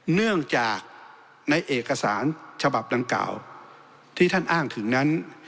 เนื่องจากในเอกสารฉบับดังกล่าวที่ท่านอ้างถึงนั้น